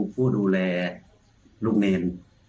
ผู้ดูแลลูกเนร